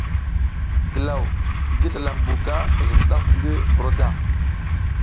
Glaw ngi slala mbuka zum daf ngi buro ta.